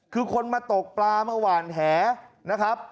คือคนมาตกปลามาหวานแหนะครับ